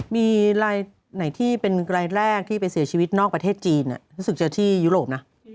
มีรายไหนที่เป็นรายแรกที่ไปเสียชีวิตนอกประเทศจีนรู้สึกเจอที่ยุโรปนะ